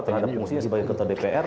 terhadap fungsinya sebagai ketua dpr